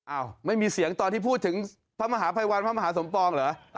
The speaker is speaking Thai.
อ้าวไม่มีเสียงตอนที่พูดถึงพระมหาภัยวันพระมหาสมปองเหรอ